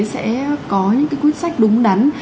sẽ có những quyết sách đúng đắn